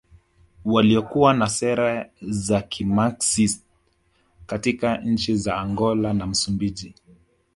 Waliokuwa na sera za kimaxist katika nchi za Angola na Msumbiji